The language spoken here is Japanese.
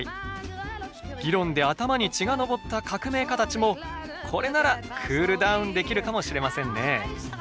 議論で頭に血が上った革命家たちもこれならクールダウンできるかもしれませんね。